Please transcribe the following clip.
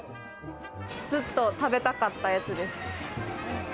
ずっと食べたかったやつです。